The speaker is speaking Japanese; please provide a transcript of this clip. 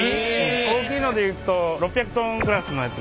大きいので言うと６００ｔクラスのやつが。